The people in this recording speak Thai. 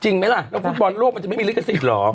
จริงไหมล่ะแล้วฟุตบอลโลกมันจะไม่มีลิขสิทธิเหรอ